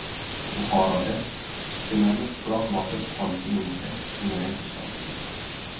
Buxoroda ishchilarni tuproq bosib qolishi bo‘yicha jinoyat ishi ochildi